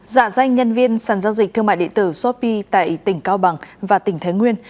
giả danh nhân viên sản giao dịch thương mại điện tử shopee tại tỉnh cao bằng và tỉnh thái nguyên